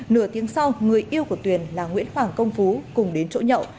nửa tiếng sau người yêu của tuyền là nguyễn hoàng công phú cùng đến chỗ nhậu